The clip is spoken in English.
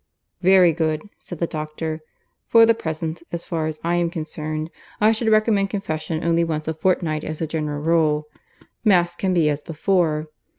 "Very good," said the doctor. "For the present, as far as I am concerned, I should recommend confession only once a fortnight as a general rule. Mass can be as before.